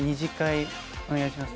お願いします。